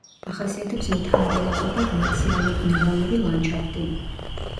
ახასიათებს მთა-მდელოსა და გლაციალურ-ნივალური ლანდშაფტი.